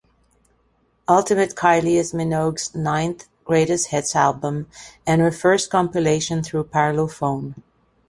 "Ultimate Kylie" is Minogue's ninth greatest hits album, and her first compilation through Parlophone.